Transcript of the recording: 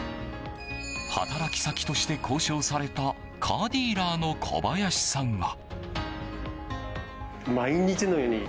働き先として交渉されたカーディーラーの小林さんは。